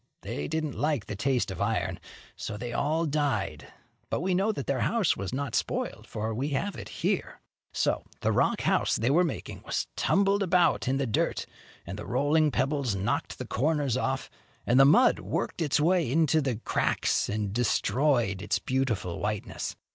They didn't like the taste of iron, so they all died; but we know that their house was not spoiled, for we have it here. So the rock house they were making was tumbled about in the dirt, and the rolling pebbles knocked the corners off, and the mud worked its way into the cracks and destroyed its beautiful whiteness.